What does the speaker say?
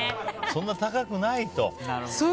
そんなに高くないと。